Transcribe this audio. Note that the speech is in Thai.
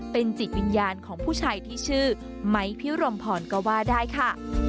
เป็นจิตวิญญาณของผู้ชายที่ชื่อไมค์พิรมพรก็ว่าได้ค่ะ